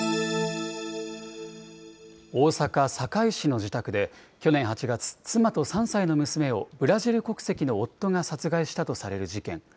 大阪・堺市の自宅で、去年８月、妻と３歳の娘をブラジル国籍の夫が殺害されたとされる事件。